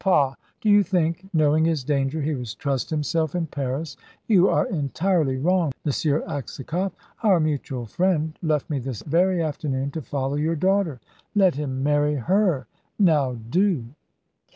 "Pah! Do you think, knowing his danger, he would trust himself in Paris? You are entirely wrong, M. Aksakoff. Our mutual friend left me this very afternoon to follow your daughter. Let him marry her now do."